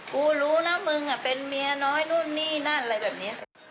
กูรู้นะมึงเป็นเมียน้อยนู่นนี่นั่นอะไรแบบนี้